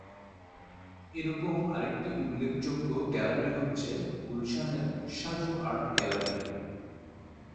এরকম আরেকটি উল্লেখযোগ্য গ্যালারি হচ্ছে গুলশানের ‘সাজু আর্ট গ্যালারি’।